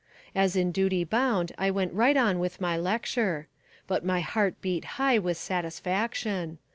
As in duty bound I went right on with my lecture. But my heart beat high with satisfaction.